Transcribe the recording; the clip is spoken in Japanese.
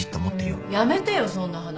やめてよそんな話。